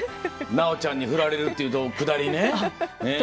奈央ちゃんに振られるっていうくだりね。